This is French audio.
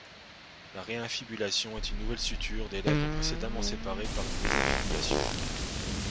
La réinfibulation est une nouvelle suture des lèvres précédemment séparées par une désinfibulation.